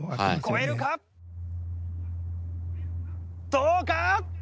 どうか？